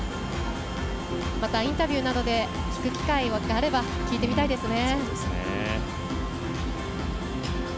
また、インタビューなどで聞く機会があれば聞いてみたいですね。